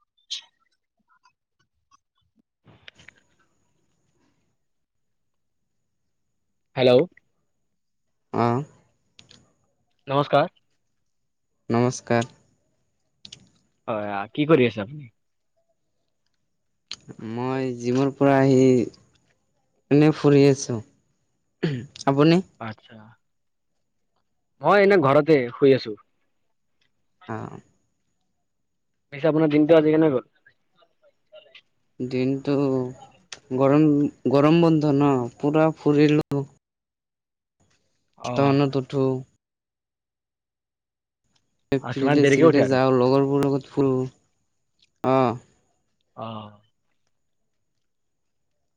[unintelligible] Hello? উম। নমস্কাৰ! নমস্কাৰ। হয়, আ কি কৰি আছে আপুনি। মই যিমৰ পৰা আহি এনেই ফুৰি আছোঁ, আপুনি? আচ্ছা। মই এনে ঘৰতে, শুই আছো। উম। পিছে আপোনাৰ দিনটো আজি কেনে গ'ল। দিনটো গৰম, গৰম বন্ধ ন, পুৰা ফুৰিলোঁ। অ সাতটা মানত উঠো। এ তোমাৰ দেৰিকে উঠে ফিল্ডে-চিল্ডে আৰু যাওঁ, লগৰবোৰ লগত ফুৰো, অ'। অহ'।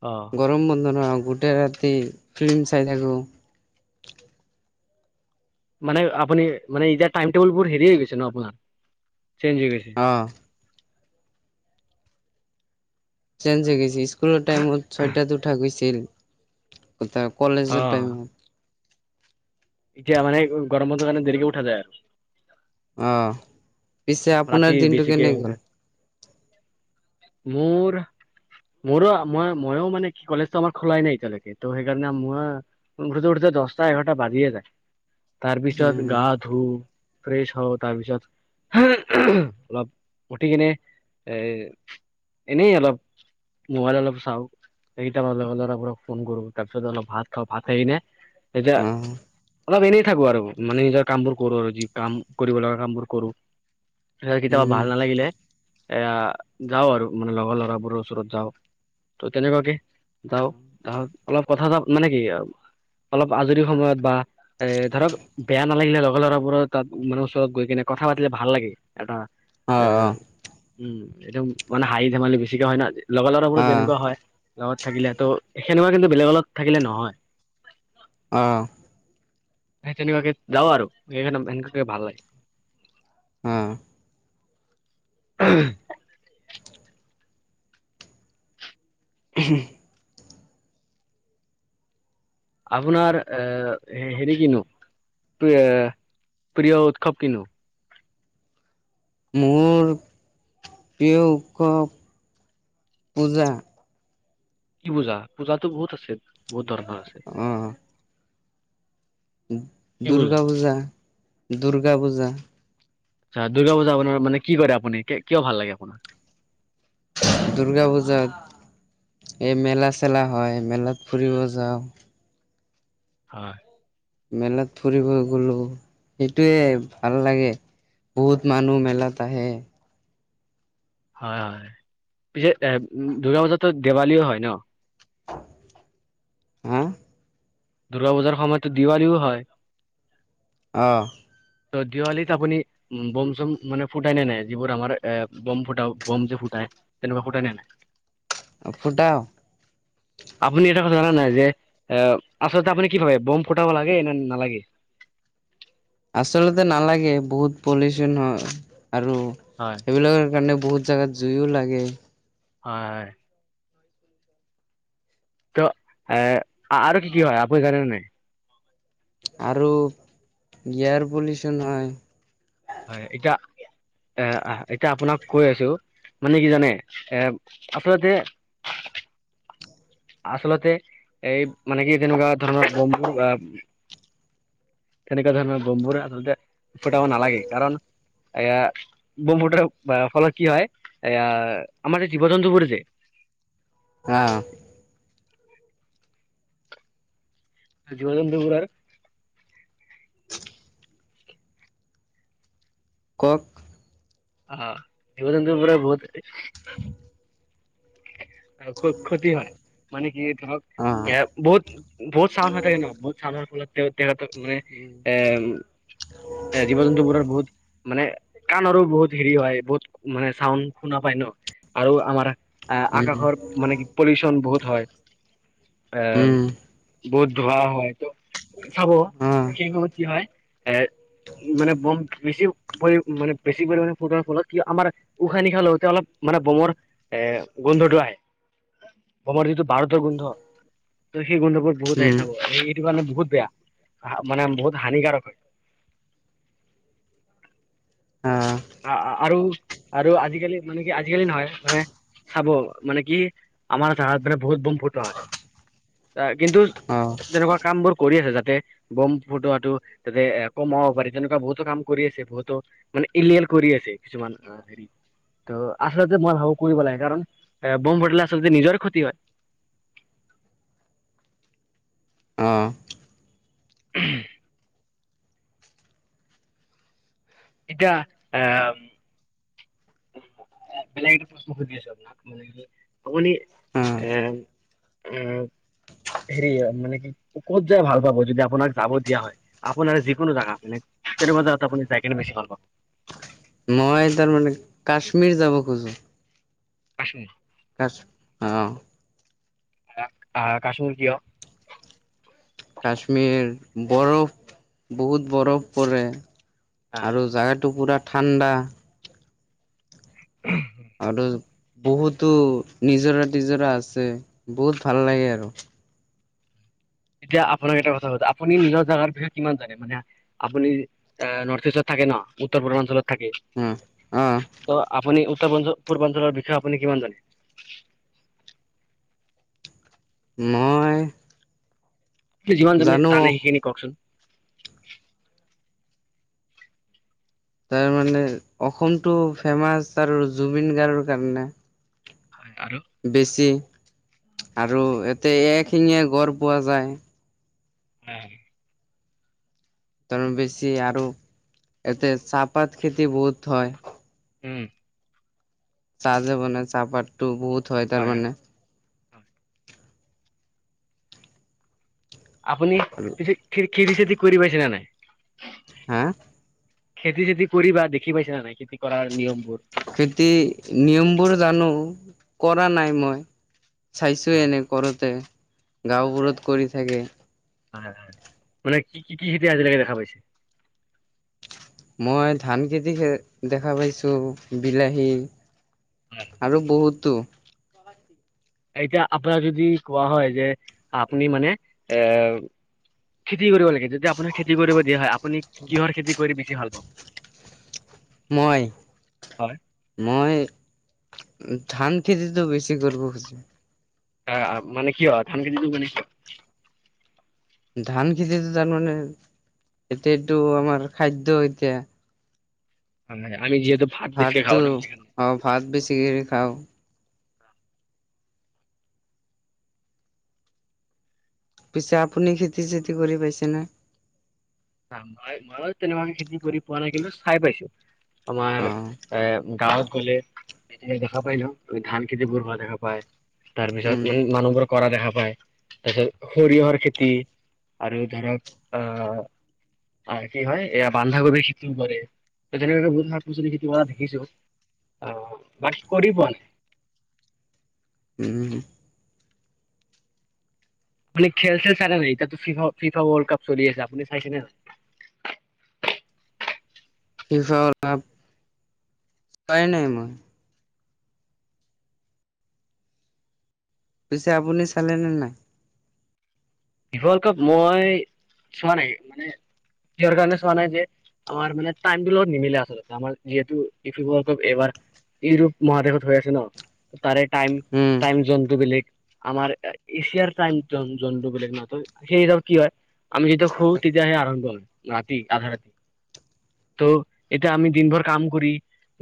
অ'। গৰম বন্ধ ন', গোটেই ৰাতি ফিলিম চাই থাকো। মানে আপুনি, মানে এতিয়া টাইম টেবুলবোৰ হেৰি হৈ গৈছে ন আপোনাৰ, চেঞ্জ হৈ গৈছে। অ'। চেঞ্জ হৈ গৈছে, স্কুলৰ টাইমত ছয়টাত উঠা গৈছিল। [inaudible] অ কলেজৰ টাইমত। এতিয়া মানে গ-গৰম বন্ধ কাৰণে দেৰিকে উঠা যায়। অ' পিছে ৰাতি আপোনাৰ দিনটো বেছিকে কেনে হৈ গ'ল। যায়। মোৰ মোৰো মই, মইয়ো মানে কি কলেজটো আমাৰ খোলাই নাই এতিয়ালৈকে, ত' সেইকাৰণে মই উঠোতে, উঠোতে দহটা, এঘাৰটা বাজিয়ে যায়। তাৰ পিছত গা উম ধু, ফ্ৰেছ হও, তাৰপিছত [unintelligible] অলপ উঠি কিনে এই এনেই অলপ মোবাইল অলপ চাওঁ, সেইকেইটা লগৰ ল'ৰাবোৰক ফোন কৰো। তাৰপিছত অলপ ভাত খাওঁ, ভাত খাই কিনে এই অ অলপ এনেই থাকো আৰু মানে নিজৰ কাম বোৰ কৰো আৰু যি কাম কৰিব লগা কাম বোৰ কৰো। [unintelligible] গিটাও উম ভাল নালাগিলে, এই যাও‍ঁ আৰু মানে লগৰ লৰাবোৰৰ ওপৰত যাওঁ। ত' তেনেকুৱাকে যাওঁ, তাহক অলপ কথা চথা মানে কি আ অলপ আজৰি সময়ত বা এই, ধৰক বেয়া নালাগিলে লগৰ লৰাবোৰৰ তাত মানে ওচৰত গৈ কিনে কথা পাতিলে ভাল লাগে, এটা অ অ এই উম, একদম মানে হাঁহি-ধেমালি বেছিকে হয় না, লগৰ ল'ৰাবোৰ অ যেনেকুৱা হয়। লগত থাকিলে টো, সেনেকুৱা কিন্তু বেলেগ লগত থাকিলে নহয়। অ'। সেই তেনেকুৱাকে যাওঁ আৰু [unintelligible] ভাল লাগে। অ'। উম, হও। আপোনাৰ এ হেৰি কিনো, প্ৰি- এ প্ৰিয় উৎসৱ কিনো? মোৰ প্ৰিয় উৎসৱ পূজা। কি পূজা? পূজাতো বহুত আছে, বহুত ধৰণৰ আছে। দূৰ্গা পূজা, দূৰ্গা পূজা। আ, দুৰ্গা পূজা আপোনাৰ মানে কি কয় আপুনি, কিয় ভাল লাগে আপোনাৰ? দুূৰ্গা পূজাত এই মেলা-চেলা হয়, মেলাত ফুৰিব যাওঁ। হয়। মেলাত ফুৰিব গলো, সেইটোৱে ভাল লাগে। বহুত মানুহ মেলাত আহে। হয়, হয়। পিছে এ, দুূৰ্গা পূজাতো দেৱালীও হয় ন? আ। দূৰ্গাপূজাৰ সময়তো দিৱালীও হয়। অ'। ত' দিৱালীত আপুনি। উম, বম-চম মানে ফুটাই নে নাই? যিবোৰ আমাৰ এ, বম ফুটাও, বম যে ফুটাই। তেনেকুৱা ফুটাই নে নাই? অ' ফুটাও। [inaudible] আপুনি এটা কথা জানা নাই যে, এ আচলতে আপুনি কি ভাবে বম ফুটাব লাগে নে নালাগে? আচলতে নালাগে বহুত পলিউচন হয় আৰু হয়। এইবিলাকৰ কাৰণে বহুত জেগাত জুইও লাগে। হয়, হয়। ত' এ, আৰু কি, কি হয় আপুনি জানে নে নাই? আৰু [unintelligible] পলিউচন হয়। হয় এতিয়া। এ, এতিয়া আপোনাক কৈ আছো, মানে কি জানে এ, আচলতে আচলতে এই মানে কি তেনেকুৱা ধৰণৰ বম্ববোৰ বা। তেনেকুৱা ধৰণৰ বম্ববোৰ আচলতে ফুটাব নালাগে কাৰণ এয়া বম্ব ফুটাৰ ফলত কি হয় এয়া আমাৰ যে জীৱ জন্তু বোৰ যে [unintelligible] জীৱ জন্তবোৰৰ। কওক অ' জীৱ জন্তবোৰৰ বহুত ক্ষতি হয় মানে কি ধৰক অ'। এ বহুত। বহুত চাউণ্ড হৈ থাকে ন বহুত চাউণ্ড ফলত তেহ তেহতৰ মানে উম, এ জীৱ জন্তু বোৰৰ বহুত মানে কাণৰো বহুত হেৰি হয় বহুত মানে চাউণ্ড শুনা পায় ন আৰু আমাৰ আহ আকাশৰ মানে কি পলিউচন বহুত হয় এ। উম, বহুত ধুৱা হয় ত চাব অ', সেই সময়ত কি হয় এ মানে বম্ব বেছিও। পৰি মানে বেছি পৰিমাণে ফুটোৱাৰ ফলত কি আমাৰ উশাহ নিশাহ লওঁতে অলপ মানে বমৰ এ গোন্ধটো আহে বমৰ যিটো বাৰুদৰ গোন্ধ ত সেই গোন্ধবোৰ বহুত আহ উম, চাব এইটো মানে বহুত বেয়া মানে বহুত হানিকাৰক হয়। অ', আ, আ, আৰু আৰু আজিকালি মানে কি আজিকালি নহয় মানে চাব মানেকি আমাৰ চাহাব [unintelligible] বহুত বম ফুটুৱা হয় কিন্তু অ', তেনেকুৱা কামবোৰ কৰি আছে যাতে বম ফুটোৱাটো তাতে এ কমাব পাৰি বহুতো কাম কৰি আছে বহুতো মানে এলিয়েল কৰি আছে কিছুমান অ হেৰি। ত আচলতে মই ভাবো কৰিব লাগে কাৰণ এ বম্ব ফুটালে আচলতে নিজৰে ক্ষতি হয়। অ', [unintelligible] [unintelligible] বেলেগ প্ৰশ্ন সুধি আছো আপোনাক। আপুনি অ', আহ আহ হেৰি হয় মানে কি। ক'ত যাই ভাল পাব যদি আপোনাক যাব দিয়া হয়। আপোনাৰ যিকোনো জেগা মানে কেনেকুৱা জাগাত আপুনি যাই কিনে বেছি ভাল পাব? মই তাৰমানে কাশ্মীৰ যাব খোজো। কাশ্মীৰ। [unintelligible] অ'। আহ কাশ্মীৰ কিয়? কাশ্মীৰ বৰফ বহুত বৰফ পৰে। আহ আৰু জাগাটো পুৰা ঠাণ্ডা। [unintelligible] আৰু বহুতো নিজৰা তিজৰা আছে বহুত ভাল লাগে আৰু। এতিয়া আপোনাক এটা কথা সুধো আপুনি নিজৰ জেগাৰ বিষয়ে কিমান জানে মানে আপুনি নৰ্থ ইষ্টত থাকে ন উত্তৰ পূৰ্বাঞ্চলত থাকে। উম, অ' ত আপুনি উত্তৰ পূৰ্বাঞ্চলৰ বিষয়ে আপুনি কিমান জানে? [unintelligible] যিমান যি জানো জানে সেইখিনি কওকচোন। তাৰ মানে অসমটো ফেমাচ আৰু জুবিন গাৰ্গৰ কাৰণে। হয় আৰু বেছি আৰু এতে এক শিঙিয়া গড় পোৱা যায়। নাই। ত বেছি আৰু ইয়াতে চাহপাত খেতি বহুত হয়। উম। চাহ যে বনাই চাহপাতটো বহুত হয় তাৰ মানে। হয়। আপুনি পিছে খে খেতি চেতি কৰি পাইছেনে নাই? হা! খেতি - চেতি কৰিবা দেখি পাইছে নে নাই খেতি কৰাৰ নিয়মবোৰ? খেতি নিয়মবোৰ জানো কৰা নাই মই চাইছো আচ্ছা, এনে কৰোতে, গাওবোৰত কৰি থাকে। অ হয় হয় মানে কি কি কি খেতি আজিলৈকে দেখা পাইছে? মই ধান খেতিহে দেখা পাইছোঁ। বিলাহী হয়। আৰু বহুতো। এতিয়া আপোনাৰ যদি কোৱা হয় যে আপুনি মানে এ খেতি কৰিব লাগে, যদি আপোনাক খেতি কৰিব দিয়া হয় আপুনি কিহৰ খেতি কৰি বেছি ভাল পাব? মই হয় মই ধান খেতিটো বেছি কৰিব খুজো। আ আ মানে কিয় ধান খেতিতো মানে কিয়? ধান খেতিতো তাৰমানে এতিয়া এইটো আমাৰ খাদ্য এতিয়া ভাল লাগে আমি যিহেতু ভাত বেছিকে ভাতটো, খাওঁ ন সেইকাৰণে। অ ভাত বেছি কৰি খাও। পিছে আপুনি খেতি - চেতি কৰি পাইছেনে? কাৰণ মই মইও তেনেকুৱাকে খেতি কৰি পোৱা নাই কিন্তু চাই পাইছো। আমাৰ অ এ গাঁৱত গ'লে [unintelligible] দেখা পাই ন উ ধান খেতিবোৰ হোৱা দেখা পাই তাৰ উম পিছত এই মানুহবোৰ কৰা দেখা পায় তাৰ পিছত সৰিয়হৰ খেতি আৰু ধৰক আহ আ কি হয় এয়া বন্ধাকবিৰ খেতিও কৰে ত তেনেকুৱাকে বহুত শাক - পাচলি খেতি কৰা দেখিছো। অ বাকী কৰি পোৱা নাই। উম উম। আপুনি খেল - চেল চাই নে এতিয়াতো ফিফা ফিফা ৱৰ্ল্ড কাপ চলি আছে আপুনি চাইছেনে নাই? ফিফা ৱৰ্ল্ড কাপ পাই না মই। পিছে আপুনি চালে নে নাই? ফিফা ৱৰ্ল্ড কাপ মই চোৱা নাই মানে কিহৰ কাৰণে চোৱা নাই যে আমাৰ মানে টাইমটোৰ লগত নিমিলে আচলতে আমাৰ যিহেতু ই ফিফা ৱৰ্ল্ড কাপ এবাৰ ইউৰোপ মহাদেশত হৈ আছে ন, ত তাৰে টাইম উম। জনটো বেলেগ, আমাৰ আ এছিয়াৰ টাইম জন জনটো বেলেগ ন, ত সেইডাল কি হয় আমি যেতিয়া শু তেতিয়া আহি আৰম্ভ হয়, ৰাতি আধা ৰাতি। তো এতিয়া আমি দিনভৰ কাম কৰি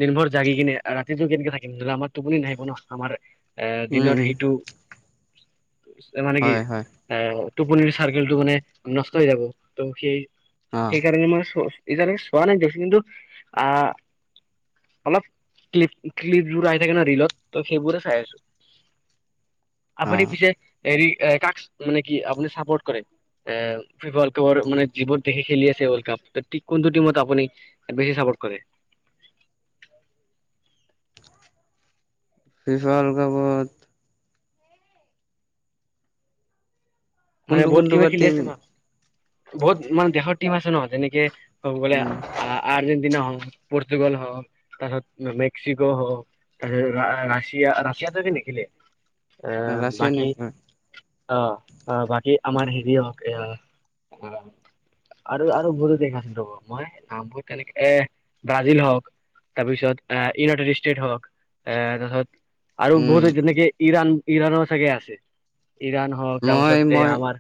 দিন ভৰ জাগিকিনে আ ৰাতিটো কেনেকে থাকিম ধৰিলে আমাৰ টোপনি নাহিব ন আমাৰ এ উম দিনৰ উম সেইটো মানে কি হয় হয় এ টোপনিৰ চাৰ্কেলটো মানে নষ্ট হৈ যাব, ত সেই অ সেইকাৰণে মানে চ এতিয়ালৈকে চোৱা নাই দেখি কিন্তু আ অলপ ক্লিপ ক্লিপবোৰ আহি থাকে ন ৰিলত ত সেইবোৰে চাই আছো। অ আপুনি পিছে হেৰি এ কাকচ মানে কি আপুনি চাপৰ্ট কৰে? [unintelligible] জীৱন দেখি খেলি আছে, ৱৰ্ল্ড কাপ। ঠিক, কোনটো টিমত আপুনি? বেছি ছাপ'ৰ্ট কৰে? ফিফা ৱৰ্ল্ড কাপত। মানে, কোনটো বহুত কোনটো টিমে বা খেলি টিম আছে, ন'? বহুত মানে, দেশৰ টিম আছে ন' যেনেকে ক'ব গ'লে, উম আ-আৰ্জেণ্টিনা হওঁক, পৰ্তুগাল হওঁক। তাৰপিছত, মেক্সিকো হওঁক। [unintelligible] ৰাছিয়া-ৰাছিয়াটো নেখেলে। আঁ ৰাছিয়া বাকী নেকি অ'! অ'! বাকী, আমাৰ সেৰি হওঁক, এইয়া অ'! আৰু আৰু বহুতো দেশ আছিল, ৰ'ব। মই নামবোৰ, তেনেকে এ, ব্ৰাজিল হওঁক। তাৰপিছত, ইউনাইটেড ষ্টেট হওঁক। এ, তাৰপিছত আৰু উম বহুত যেনেকে, ইৰাণ- ইৰাণৰ চাগে আছে, ইৰাণ হওঁক, তাৰপাছত, মই এই মই আমাৰ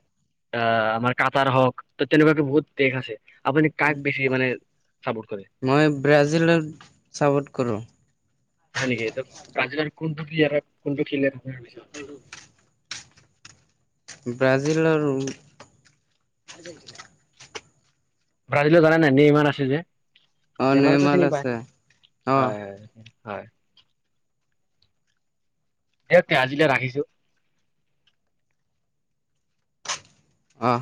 আঁ আমাৰ কাতাৰ হওঁক, ত' তেনেকুৱাকে বহুত দেশ আছে। আপুনি কাক বেছি মানে চাপৰ্ট কৰে মই ব্ৰাজিলক ছাপ'ৰ্ট কৰোঁ। হয় নেকি? [unintelligible] ব্ৰাজিলৰ কোনটো প্লেয়াৰক, কোনটো খেলুৱৈক আপুনি বেছি ভাল পাই? ব্ৰাজিলৰ আৰ্জেণ্টিনা। ব্ৰাজিলো জানা নাই, নেইমাৰ আছে যে? অ নেইমাৰ তো নেমাৰ চিনি পাই? আছে অ হয়, হয়। হয়! দিয়ক তে, আজিলৈ ৰাখিছোঁ। অ'!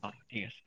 হয়, ঠিক আছে।